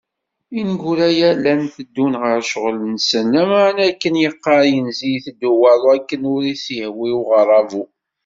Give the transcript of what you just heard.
Ineggura-a, llan teddun ɣer ccɣel-nsen, lameεna akken yeqqaṛ yinzi iteddu waḍu akken ur as-yehwi i uɣeṛṛabu.